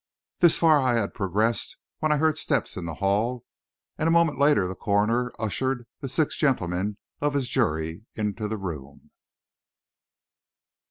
This far I had progressed when I heard steps in the hall, and a moment later the coroner ushered the six gentlemen of his jury into the room.